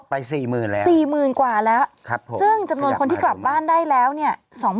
สี่หมื่นแล้ว๔๐๐๐กว่าแล้วซึ่งจำนวนคนที่กลับบ้านได้แล้วเนี่ย